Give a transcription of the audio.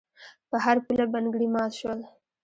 په هر پوله بنګړي مات شول.